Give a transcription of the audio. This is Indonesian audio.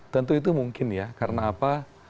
tentu itu mungkin ya karena apa